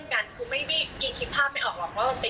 ตอนนั้นก็คือพูดเล่นกันคือไม่มีคิดภาพไปออกว่าเป็นอย่างไร